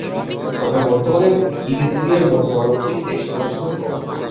তবে বর্তমানে ইরিত্রিয়ার মোট বনভূমি এক শতাংশেরও কম।